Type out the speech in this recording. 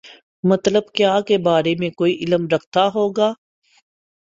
مطلب کیا کے بارے میں کوئی علم رکھتا ہو گا